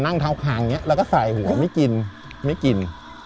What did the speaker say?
นั่งเท้าขางเนี้ยแล้วก็ใส่หัวไม่กินไม่กิน